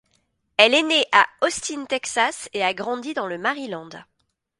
Elle est née à Austin Texas et a grandi dans le Maryland.